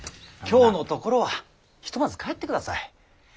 今日のところはひとまず帰ってください。